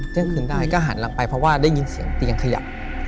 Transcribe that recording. เที่ยงคืนได้ก็หันหลังไปเพราะว่าได้ยินเสียงเตียงขยับ